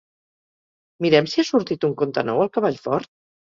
Mirem si ha sortit un conte nou al Cavall Fort?